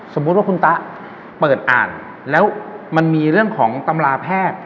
สมมุติว่าคุณตะเปิดอ่านแล้วมันมีเรื่องของตำราแพทย์